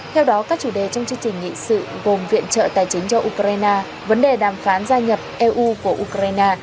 theo đó các chủ đề trong chương trình nghị sự gồm viện trợ tài chính cho ukraine vấn đề đàm phán gia nhập eu của ukraine